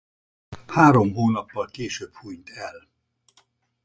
Három hónappal később hunyt el.